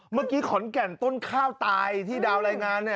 เมื่อกี้ขอนแก่นต้นข้าวตายที่ดาวรายงานเนี่ย